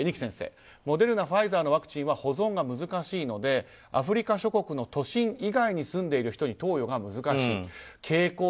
二木先生、モデルナファイザーのワクチンは保存が難しいのでアフリカ諸国の都心以外に住んでいる人に投与が難しい。